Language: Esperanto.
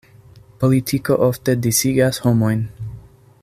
Politiko ofte disigas homojn.